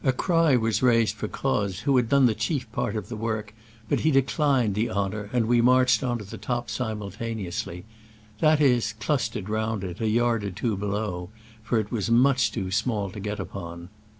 cry was raised for Croz, who had done the chief part of the work, but he de clined the honor, and we marched on to the top simultaneously — that is to say, clustered round it, a yard or two below, for it was much too small to get upon.